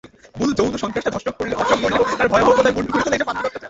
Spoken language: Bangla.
মূল যৌন-সন্ত্রাসটা ধর্ষক করলেও তার ভয়াবহতাকে পূর্ণ করে তোলে এসব মানসিক অত্যাচার।